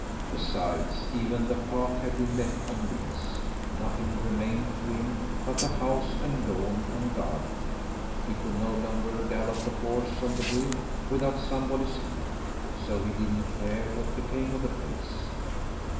Besides, even the park had been let on lease; nothing remained to him but the house and lawn and garden; he could no longer gallop a horse on the hill without somebody's leave, so he didn't care what became of the place.